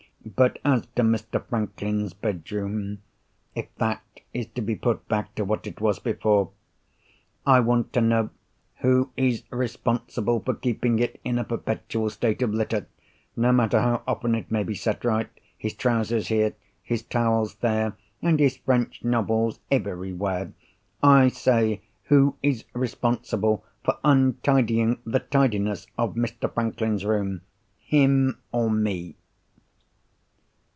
But, as to Mr. Franklin's bedroom (if that is to be put back to what it was before), I want to know who is responsible for keeping it in a perpetual state of litter, no matter how often it may be set right—his trousers here, his towels there, and his French novels everywhere. I say, who is responsible for untidying the tidiness of Mr. Franklin's room, him or me?"